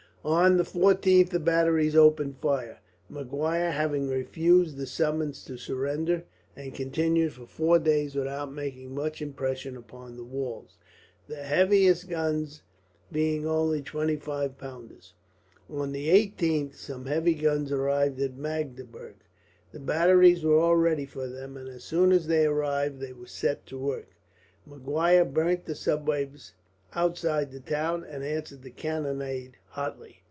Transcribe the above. On the 14th the batteries opened fire Maguire having refused the summons to surrender and continued for four days without making much impression upon the walls, the heaviest guns being only twenty five pounders. On the 18th some heavy guns arrived from Magdeburg. The batteries were all ready for them, and as soon as they arrived they were set to work. Maguire burnt the suburbs outside the town, and answered the cannonade hotly.